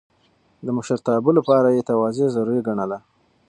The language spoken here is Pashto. د مشرتابه لپاره يې تواضع ضروري ګڼله.